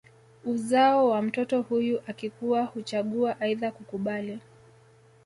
Uzao wa mtoto huyu akikua huchagua aidha kukubali